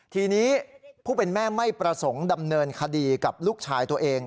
ทีนี้ผู้เป็นแม่ไม่ประสงค์ดำเนินคดีกับลูกชายตัวเอง